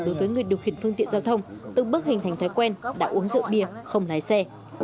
đối với người điều khiển phương tiện giao thông từng bước hình thành thói quen đã uống rượu bia không lái xe